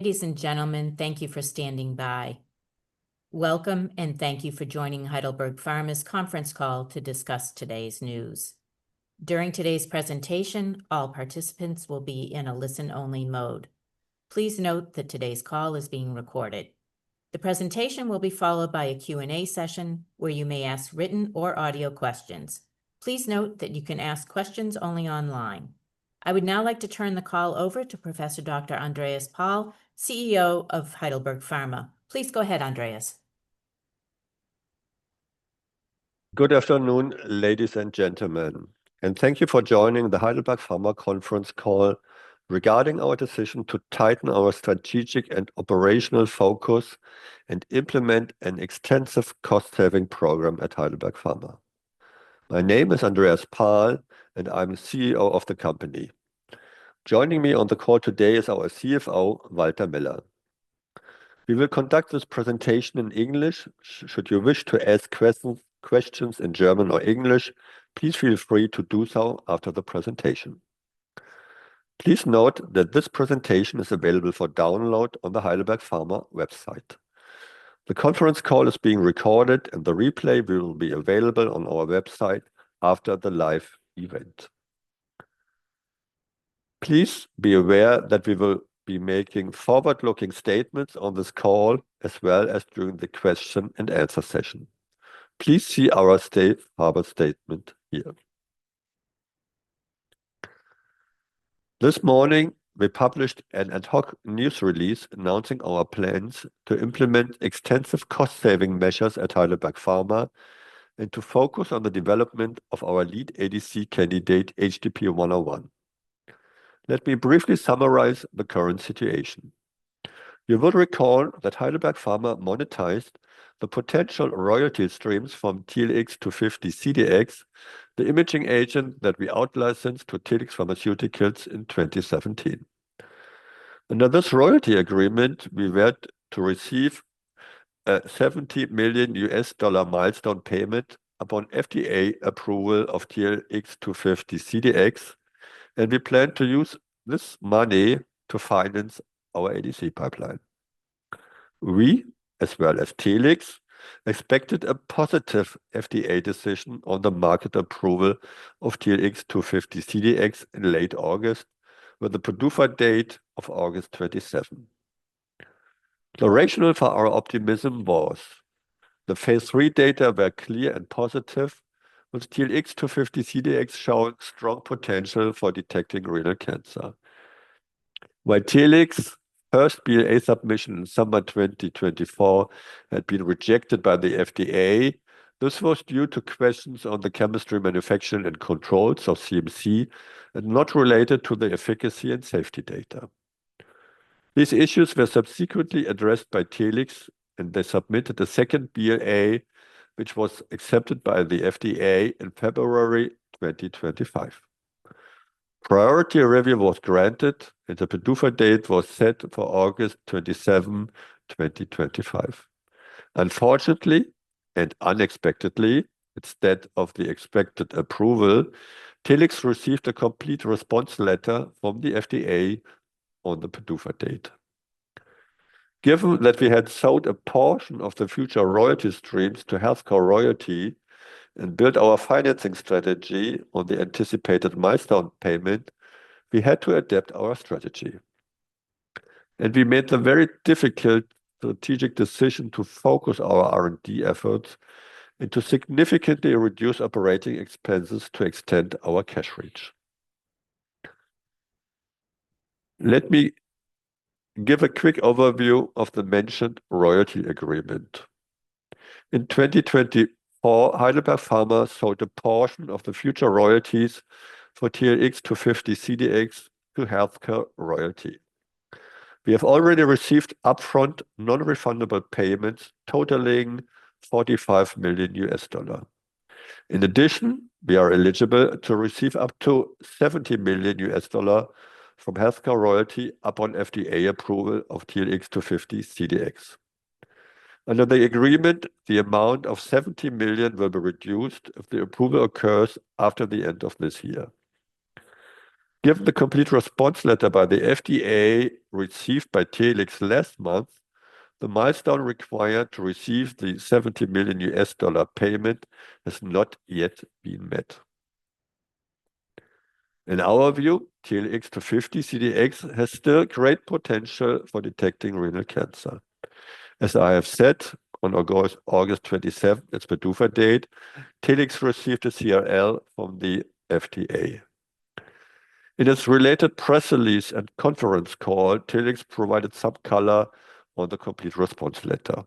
Ladies and gentlemen, thank you for standing by. Welcome, and thank you for joining Heidelberg Pharma's conference call to discuss today's news. During today's presentation, all participants will be in a listen-only mode. Please note that today's call is being recorded. The presentation will be followed by a Q&A session where you may ask written or audio questions. Please note that you can ask questions only online. I would now like to turn the call over to Professor Dr. Andreas Pahl, CEO of Heidelberg Pharma. Please go ahead, Andreas. Good afternoon, ladies and gentlemen, and thank you for joining the Heidelberg Pharma conference call regarding our decision to tighten our strategic and operational focus and implement an extensive cost-saving program at Heidelberg Pharma. My name is Andreas Pahl, and I'm CEO of the company. Joining me on the call today is our CFO, Walter Miller. We will conduct this presentation in English. Should you wish to ask questions in German or English, please feel free to do so after the presentation. Please note that this presentation is available for download on the Heidelberg Pharma website. The conference call is being recorded, and the replay will be available on our website after the live event. Please be aware that we will be making forward-looking statements on this call as well as during the question-and-answer session. Please see our Safe Harbor Statement here. This morning, we published an ad hoc news release announcing our plans to implement extensive cost-saving measures at Heidelberg Pharma and to focus on the development of our lead ADC candidate, HDP-101. Let me briefly summarize the current situation. You would recall that Heidelberg Pharma monetized the potential royalty streams from TLX250-CDx, the imaging agent that we outlicensed to Telix Pharmaceuticals in 2017. Under this royalty agreement, we were to receive a $70 million milestone payment upon FDA approval of TLX250-CDx, and we plan to use this money to finance our ADC pipeline. We, as well as TLX, expected a positive FDA decision on the market approval of TLX250-CDx in late August, with the PDUFA date of August 27. The rationale for our optimism was the phase III data were clear and positive, with TLX250-CDx showing strong potential for detecting renal cancer. While TLX's first BLA submission in summer 2024 had been rejected by the FDA, this was due to questions on the Chemistry, Manufacturing, and Controls (CMC) and not related to the efficacy and safety data. These issues were subsequently addressed by TLX, and they submitted a second BLA, which was accepted by the FDA in February 2025. Priority review was granted, and the PDUFA date was set for August 27, 2025. Unfortunately and unexpectedly, instead of the expected approval, TLX received a Complete Response Letter from the FDA on the PDUFA date. Given that we had sold a portion of the future royalty streams to HealthCare Royalty and built our financing strategy on the anticipated milestone payment, we had to adapt our strategy, and we made the very difficult strategic decision to focus our R&D efforts and to significantly reduce operating expenses to extend our cash reach. Let me give a quick overview of the mentioned royalty agreement. In 2024, Heidelberg Pharma sold a portion of the future royalties for TLX250-CDx to HealthCare Royalty. We have already received upfront non-refundable payments totaling $45 million. In addition, we are eligible to receive up to $70 million from HealthCare Royalty upon FDA approval of TLX250-CDx. Under the agreement, the amount of $70 million will be reduced if the approval occurs after the end of this year. Given the Complete Response Letter by the FDA received by TLX last month, the milestone required to receive the $70 million payment has not yet been met. In our view, TLX250-CDx has still great potential for detecting renal cancer. As I have said, on August 27, its PDUFA date, TLX received a CRL from the FDA. In its related press release and conference call, TLX provided color on the Complete Response Letter.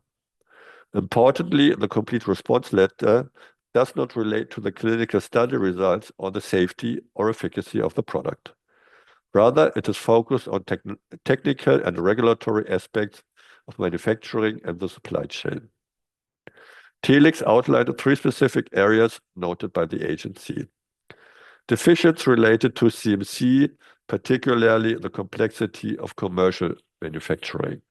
Importantly, the Complete Response Letter does not relate to the clinical study results on the safety or efficacy of the product. Rather, it is focused on technical and regulatory aspects of manufacturing and the supply chain. TLX outlined three specific areas noted by the agency: deficits related to CMC, particularly the complexity of commercial manufacturing,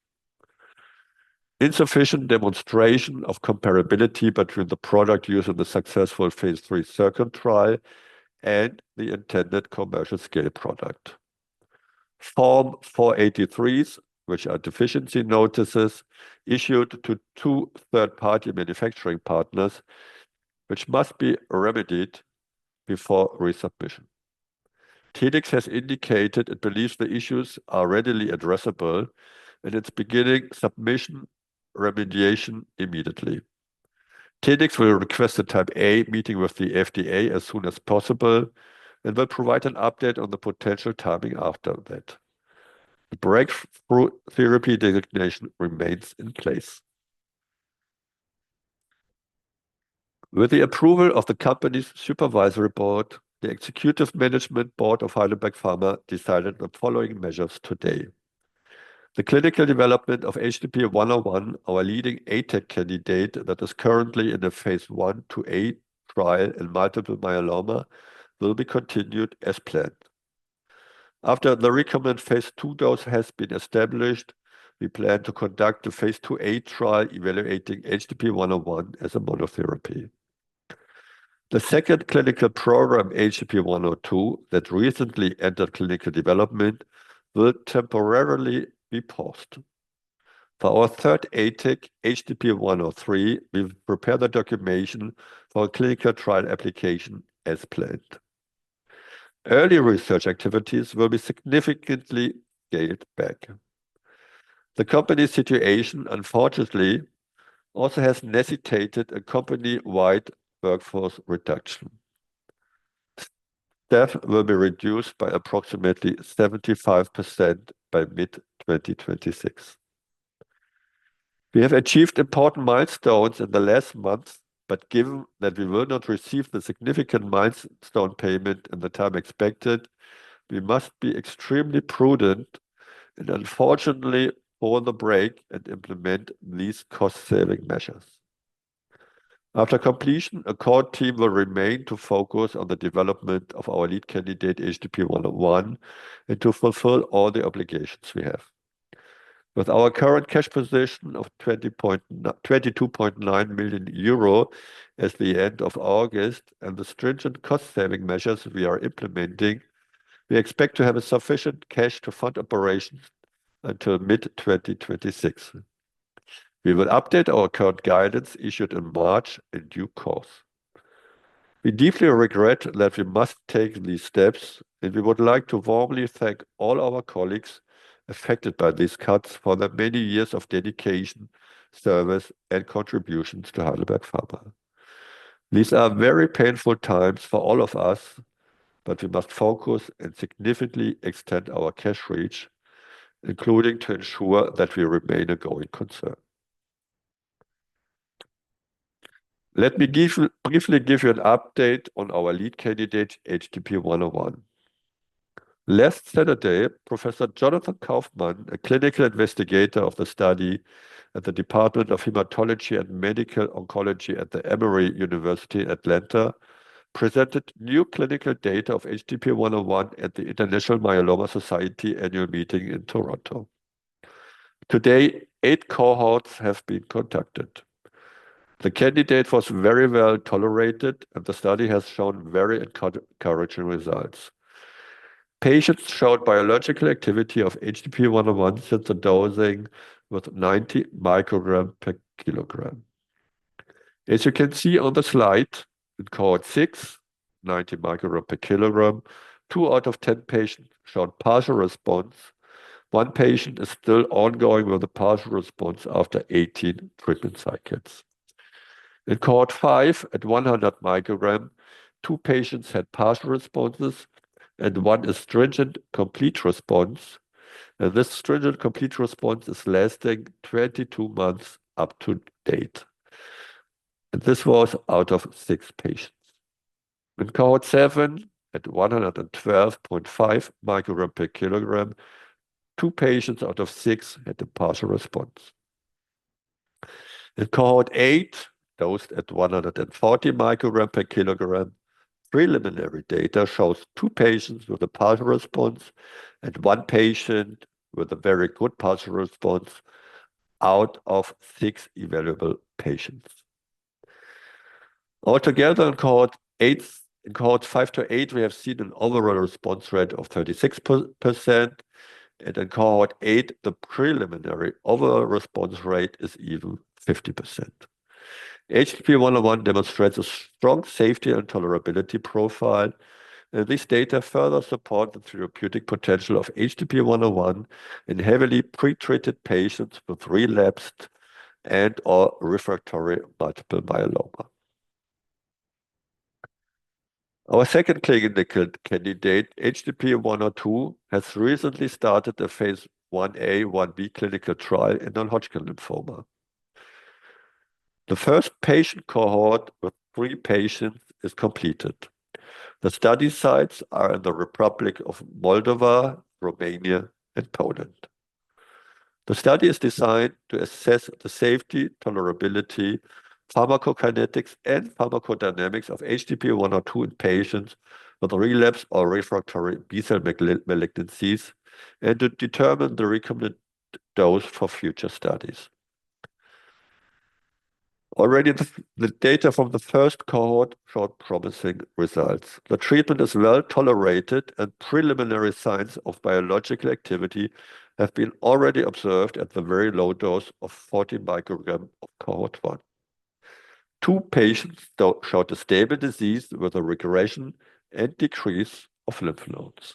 insufficient demonstration of comparability between the product used in the successful phase III clinical trial and the intended commercial scale product, Form 483s, which are deficiency notices issued to two third-party manufacturing partners, which must be remedied before resubmission. TLX has indicated it believes the issues are readily addressable and is beginning submission remediation immediately. TLX will request a Type A meeting with the FDA as soon as possible and will provide an update on the potential timing after that. The Breakthrough Therapy Designation remains in place. With the approval of the company's supervisory board, the executive management board of Heidelberg Pharma decided on the following measures today. The clinical development of HDP-101, our leading ATAC candidate that is currently in a phase I/II-A trial in multiple myeloma, will be continued as planned. After the recommended phase II dose has been established, we plan to conduct the phase II-A trial evaluating HDP-101 as a monotherapy. The second clinical program, HDP-102, that recently entered clinical development, will temporarily be paused. For our third ATAC, HDP-103, we've prepared the documentation for a clinical trial application as planned. Early research activities will be significantly scaled back. The company's situation, unfortunately, also has necessitated a company-wide workforce reduction. Staff will be reduced by approximately 75% by mid-2026. We have achieved important milestones in the last month, but given that we will not receive the significant milestone payment in the time expected, we must be extremely prudent and, unfortunately, hold a break and implement these cost-saving measures. After completion, a core team will remain to focus on the development of our lead candidate, HDP-101, and to fulfill all the obligations we have. With our current cash position of 22.9 million euro at the end of August and the stringent cost-saving measures we are implementing, we expect to have sufficient cash to fund operations until mid-2026. We will update our current guidance issued in March, in due course. We deeply regret that we must take these steps, and we would like to warmly thank all our colleagues affected by these cuts for the many years of dedication, service, and contributions to Heidelberg Pharma. These are very painful times for all of us, but we must focus and significantly extend our cash reach, including to ensure that we remain a going concern. Let me briefly give you an update on our lead candidate, HDP-101. Last Saturday, Professor Jonathan Kaufman, a clinical investigator of the study at the Department of Hematology and Medical Oncology at the Emory University in Atlanta, presented new clinical data of HDP-101 at the International Myeloma Society Annual Meeting in Toronto. Today, eight cohorts have been conducted. The candidate was very well tolerated, and the study has shown very encouraging results. Patients showed biological activity of HDP-101 since the dosing with 90 micrograms per kilogram. As you can see on the slide, in cohort six, 90 micrograms per kilogram, two out of 10 patients showed partial response. One patient is still ongoing with a partial response after 18 treatment cycles. In cohort five, at 100 micrograms, two patients had partial responses, and one is stringent complete response, and this stringent complete response is lasting 22 months to date, and this was out of six patients. In cohort seven, at 112.5 micrograms per kilogram, two patients out of six had a partial response. In cohort eight, dosed at 140 micrograms per kilogram, preliminary data shows two patients with a partial response and one patient with a very good partial response out of six available patients. Altogether, in cohort five to eight, we have seen an overall response rate of 36%, and in cohort eight, the preliminary overall response rate is even 50%. HDP-101 demonstrates a strong safety and tolerability profile, and these data further support the therapeutic potential of HDP-101 in heavily pretreated patients with relapsed and/or refractory multiple myeloma. Our second clinical candidate, HDP-102, has recently started a phase I-A/I-B clinical trial in non-Hodgkin lymphoma. The first patient cohort with three patients is completed. The study sites are in the Republic of Moldova, Romania, and Poland. The study is designed to assess the safety, tolerability, pharmacokinetics, and pharmacodynamics of HDP-102 in patients with relapsed or refractory B-cell malignancies and to determine the recommended dose for future studies. Already, the data from the first cohort showed promising results. The treatment is well tolerated, and preliminary signs of biological activity have been already observed at the very low dose of 40 micrograms of cohort one. Two patients, though, showed a stable disease with a regression and decrease of lymph nodes.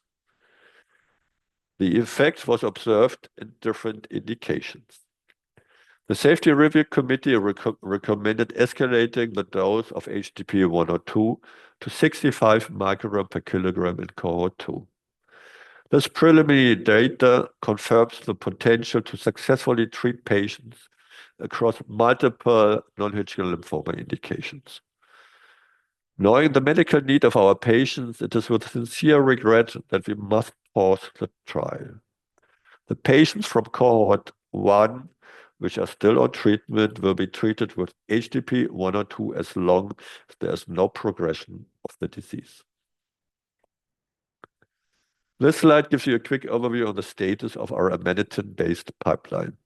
The effect was observed in different indications. The Safety Review committee recommended escalating the dose of HDP-102 to 65 micrograms per kilogram in cohort two. This preliminary data confirms the potential to successfully treat patients across multiple non-Hodgkin lymphoma indications. Knowing the medical need of our patients, it is with sincere regret that we must pause the trial. The patients from cohort one, which are still on treatment, will be treated with HDP-102 as long as there is no progression of the disease. This slide gives you a quick overview of the status of our Amanitin-based pipeline.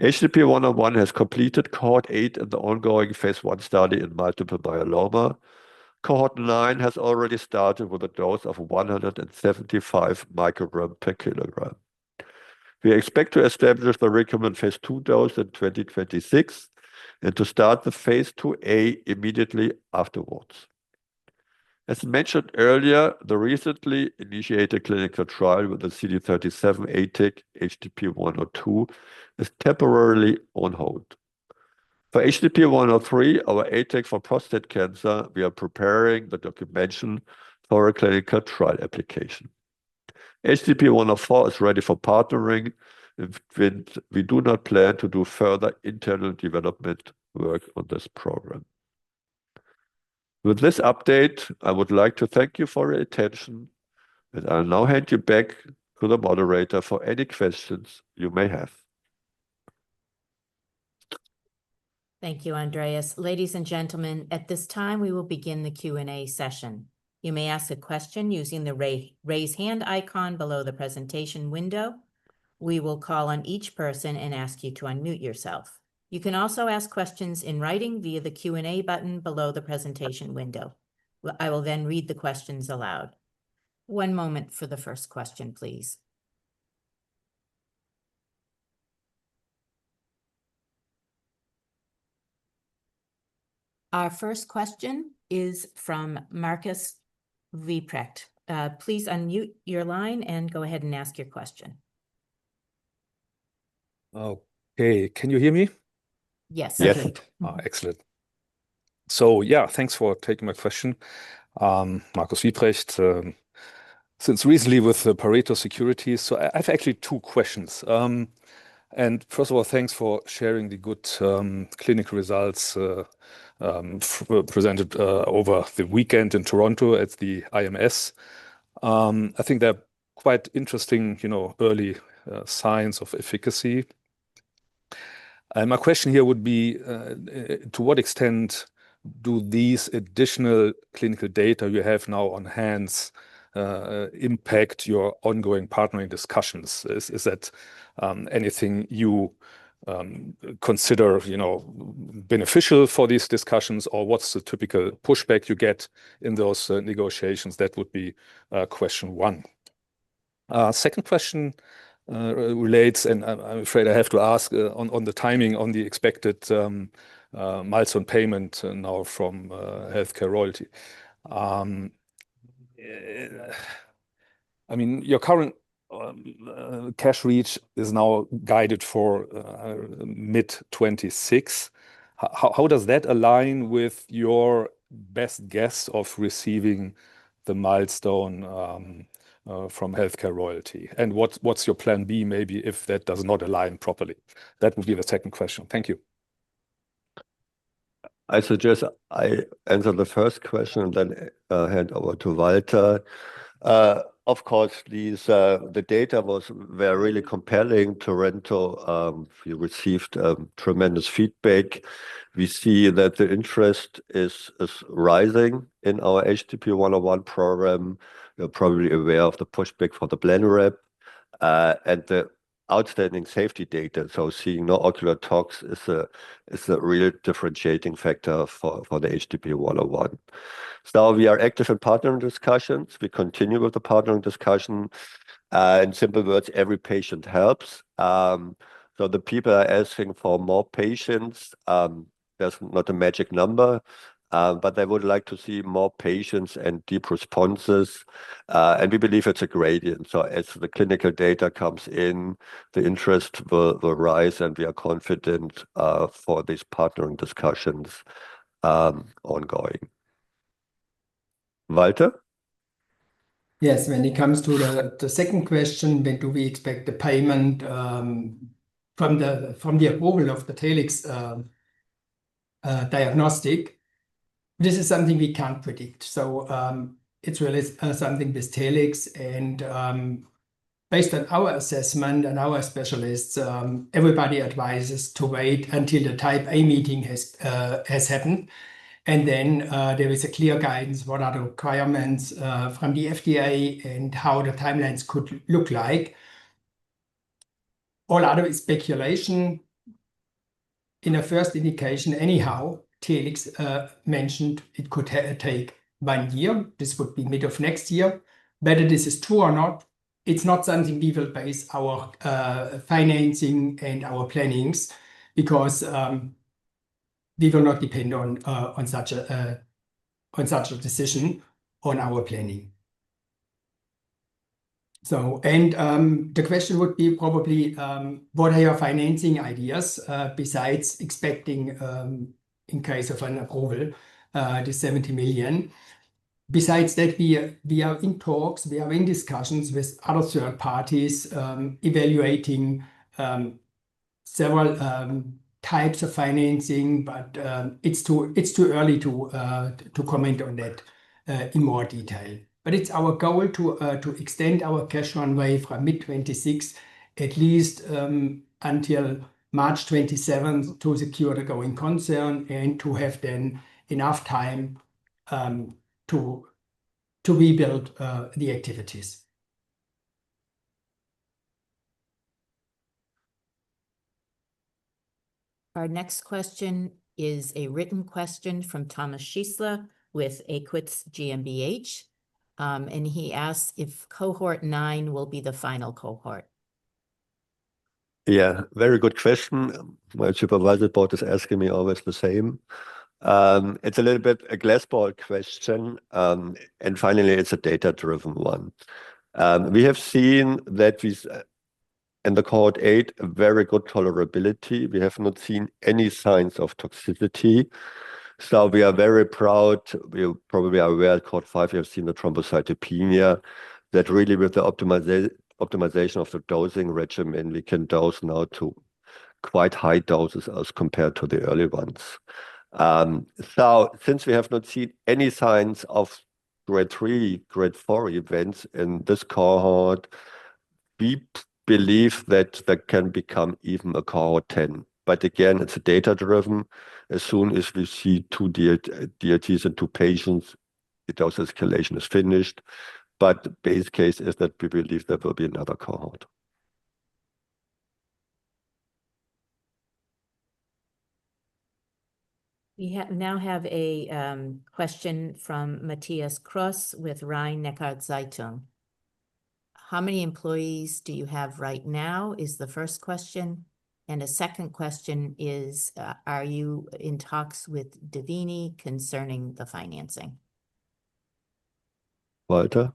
HDP-101 has completed cohort eight and the ongoing phase I study in multiple myeloma. Cohort nine has already started with a dose of 175 micrograms per kilogram. We expect to establish the recommended phase II dose in 2026 and to start the phase II-A immediately afterwards. As mentioned earlier, the recently initiated clinical trial with the CD37 ATAC, HDP-102, is temporarily on hold. For HDP-103, our ATAC for prostate cancer, we are preparing the documentation for a clinical trial application. HDP-104 is ready for partnering, and we do not plan to do further internal development work on this program. With this update, I would like to thank you for your attention, and I'll now hand you back to the moderator for any questions you may have. Thank you, Andreas. Ladies and gentlemen, at this time, we will begin the Q&A session. You may ask a question using the raise hand icon below the presentation window. We will call on each person and ask you to unmute yourself. You can also ask questions in writing via the Q&A button below the presentation window. I will then read the questions aloud. One moment for the first question, please. Our first question is from Markus Wieprecht. Please unmute your line and go ahead and ask your question. Okay, can you hear me? Yes, I can. Yes, excellent. So yeah, thanks for taking my question, Markus Wieprecht, since recently with Pareto Securities. So I have actually two questions. And first of all, thanks for sharing the good clinical results presented over the weekend in Toronto at the IMS. I think they're quite interesting, you know, early signs of efficacy. And my question here would be, to what extent do these additional clinical data you have now on hand impact your ongoing partnering discussions? Is that anything you consider, you know, beneficial for these discussions, or what's the typical pushback you get in those negotiations? That would be question one. Second question relates, and I'm afraid I have to ask on the timing, on the expected milestone payment now from HealthCare Royalty. I mean, your current cash reach is now guided for mid-2026. How does that align with your best guess of receiving the milestone from HealthCare Royalty? And what's your plan B, maybe, if that does not align properly? That would be the second question. Thank you. I suggest I answer the first question and then hand over to Walter. Of course, Liz, the data was really compelling. Toronto, you received tremendous feedback. We see that the interest is rising in our HDP-101 program. You're probably aware of the pushback for the Blenrep and the outstanding safety data. So seeing no ocular tox is a real differentiating factor for the HDP-101. So we are active in partnering discussions. We continue with the partnering discussion. In simple words, every patient helps. So the people are asking for more patients. There's not a magic number, but they would like to see more patients and deep responses. And we believe it's a gradient. So as the clinical data comes in, the interest will rise, and we are confident for these partnering discussions ongoing. Walter? Yes, when it comes to the second question, when do we expect the payment from the approval of the Telix diagnostic? This is something we can't predict. So it's really something with Telix. And based on our assessment and our specialists, everybody advises to wait until the Type A meeting has happened. And then there is a clear guidance, what are the requirements from the FDA and how the timelines could look like. All other speculation, in a first indication anyhow, Telix mentioned it could take one year. This would be mid of next year. Whether this is true or not, it's not something we will base our financing and our plannings on because we will not depend on such a decision on our planning. And the question would be probably, what are your financing ideas besides expecting, in case of an approval, the 70 million? Besides that, we are in talks. We are in discussions with other third parties evaluating several types of financing, but it's too early to comment on that in more detail. But it's our goal to extend our cash runway from mid-2026 at least until March 2027 to secure the going concern and to have then enough time to rebuild the activities. Our next question is a written question from Thomas Schießler with Aequitas GmbH. And he asks if cohort nine will be the final cohort. Yeah, very good question. My supervisory board is asking me always the same. It's a little bit a crystal ball question. Finally, it's a data-driven one. We have seen that in the cohort eight, very good tolerability. We have not seen any signs of toxicity. So we are very proud. You probably are aware at cohort five, you have seen the thrombocytopenia. That really, with the optimization of the dosing regimen, we can dose now to quite high doses as compared to the early ones. So since we have not seen any signs of grade three, grade four events in this cohort, we believe that that can become even a cohort 10. But again, it's data-driven. As soon as we see two DLTs in two patients, the dose escalation is finished. But the base case is that we believe there will be another cohort. We now have a question from Matthias Kros with Rhein-Neckar-Zeitung. How many employees do you have right now is the first question. And the second question is, are you in talks with Dievini concerning the financing? Walter?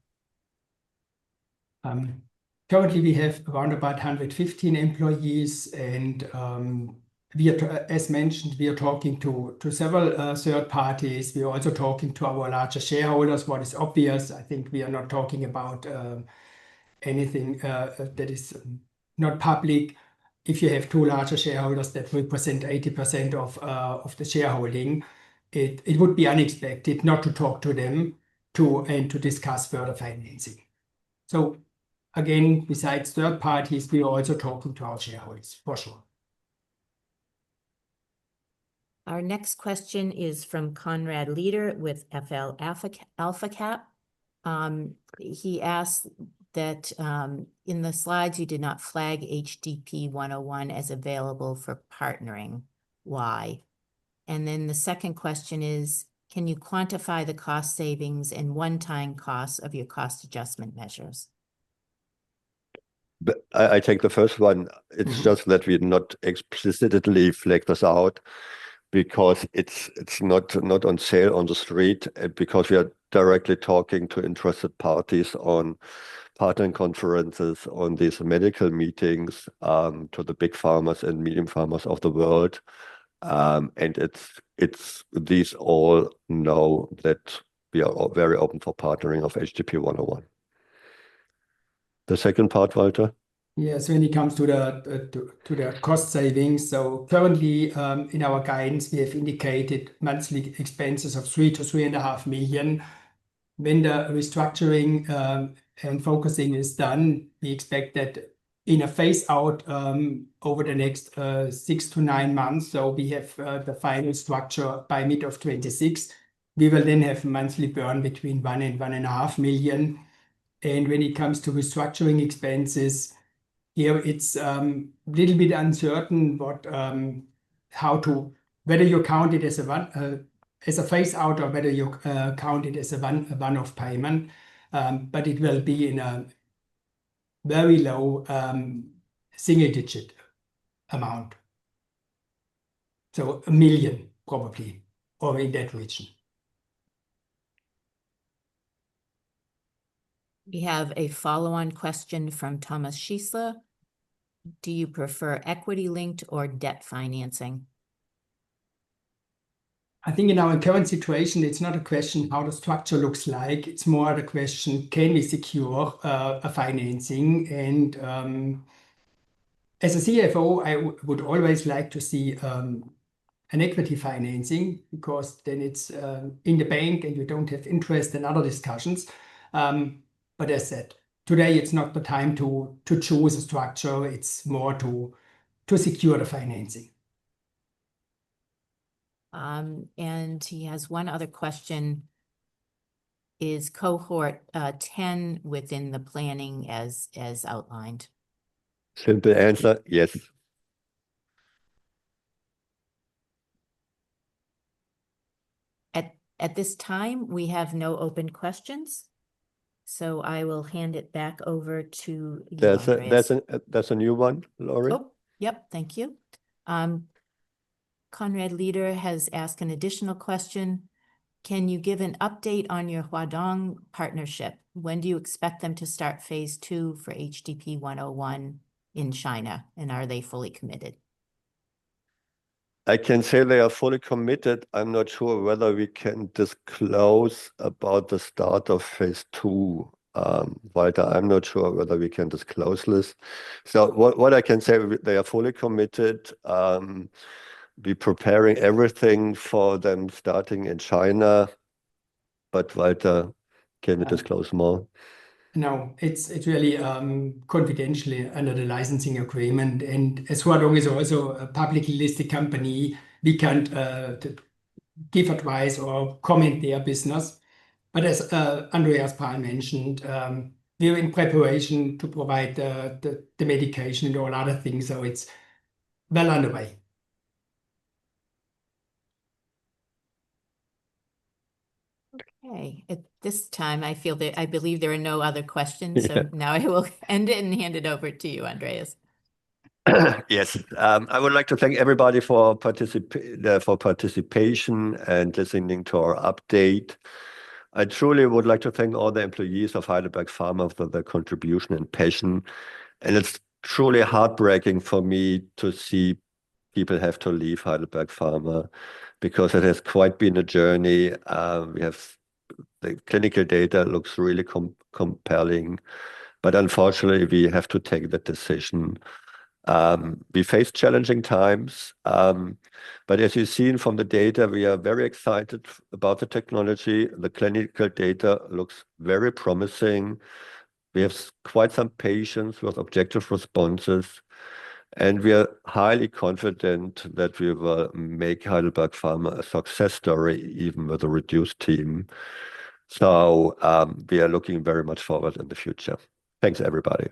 Currently, we have around about 115 employees. And as mentioned, we are talking to several third parties. We are also talking to our larger shareholders, what is obvious. I think we are not talking about anything that is not public. If you have two larger shareholders that represent 80% of the shareholding, it would be unexpected not to talk to them and to discuss further financing. So again, besides third parties, we are also talking to our shareholders, for sure. Our next question is from Konrad Leder with F.L. AlphaCap. He asks that in the slides, you did not flag HDP-101 as available for partnering. Why? Then the second question is, can you quantify the cost savings and one-time costs of your cost adjustment measures? I take the first one. It's just that we did not explicitly flag this out because it's not on sale on the street because we are directly talking to interested parties on partnering conferences, on these medical meetings to the big pharma and medium pharma of the world. And these all know that we are very open for partnering of HDP-101. The second part, Walter? Yeah, so when it comes to the cost savings, so currently in our guidance, we have indicated monthly expenses of 3 million-3.5 million. When the restructuring and focusing is done, we expect that in a phase out over the next six to nine months, so we have the final structure by mid-2026, we will then have a monthly burn between 1 million and EUR 1.5 million. When it comes to restructuring expenses, here it's a little bit uncertain how to, whether you count it as a phase out or whether you count it as a one-off payment, but it will be in a very low single-digit amount, so 1 million probably, or in that region. We have a follow-on question from Thomas Schießler. Do you prefer equity-linked or debt financing? I think in our current situation, it's not a question how the structure looks like. It's more of a question, can we secure a financing? As a CFO, I would always like to see an equity financing because then it's in the bank and you don't have interest and other discussions. As I said, today it's not the time to choose a structure. It's more to secure the financing. He has one other question. Is cohort 10 within the planning as outlined? Simple answer, yes. At this time, we have no open questions. I will hand it back over to you. There's a new one, Laurie. Oh, yep, thank you. Konrad Leder has asked an additional question. Can you give an update on your Huadong partnership? When do you expect them to start phase II for HDP-101 in China? And are they fully committed? I can say they are fully committed. I'm not sure whether we can disclose about the start of phase II. Walter, I'm not sure whether we can disclose this. So what I can say, they are fully committed. We're preparing everything for them starting in China. But Walter, can you disclose more? No, it's really confidential under the licensing agreement. And as Huadong is also a publicly listed company, we can't give advice or comment on their business. But as Andreas Pahl mentioned, we're in preparation to provide the medication and all other things. So it's well underway. Okay. At this time, I feel that I believe there are no other questions. So now I will end it and hand it over to you, Andreas. Yes. I would like to thank everybody for participation and listening to our update. I truly would like to thank all the employees of Heidelberg Pharma for their contribution and passion. It's truly heartbreaking for me to see people have to leave Heidelberg Pharma because it has quite been a journey. We have the clinical data looks really compelling. Unfortunately, we have to take that decision. We face challenging times. As you've seen from the data, we are very excited about the technology. The clinical data looks very promising. We have quite some patients with objective responses. We are highly confident that we will make Heidelberg Pharma a success story even with a reduced team. We are looking very much forward in the future. Thanks, everybody.